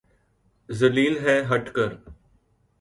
ذلیل ہے ہٹ کر